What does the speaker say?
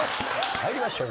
参りましょう。